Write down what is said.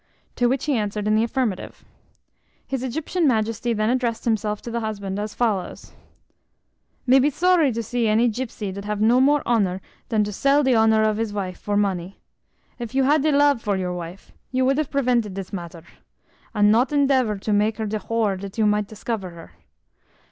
To which he answered in the affirmative. His Egyptian majesty then addressed himself to the husband as follows: "Me be sorry to see any gypsy dat have no more honour dan to sell de honour of his wife for money. If you had de love for your wife, you would have prevented dis matter, and not endeavour to make her de whore dat you might discover her.